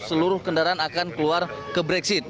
seluruh kendaraan akan keluar ke brexit